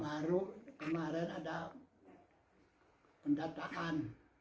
baru kemarin ada pendatangan